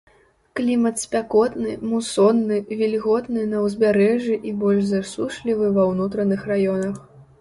Клімат спякотны, мусонны, вільготны на ўзбярэжжы і больш засушлівы ва ўнутраных раёнах.